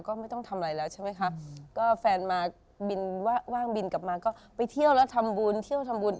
ก็ไม่ต้องทำอะไรแล้วใช่ไหมคะก็แฟนมาบินว่างบินกลับมาก็ไปเที่ยวแล้วทำบุญเที่ยวทำบุญ